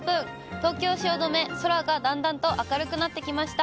東京・汐留、空がだんだんと明るくなってきました。